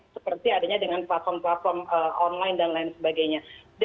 seperti adanya dengan platform platform online dan lain sebagainya